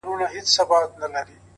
خیر دی قبر ته دي هم په یوه حال نه راځي.